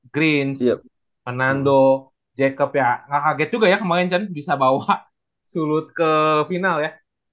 green anando jacob ya kaget juga ya kemarin bisa bawa sulut ke final ya